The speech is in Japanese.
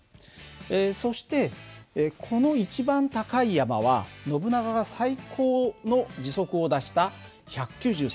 そしてこの一番高い山はノブナガが最高の時速を出した１９３ｋｍ／ｈ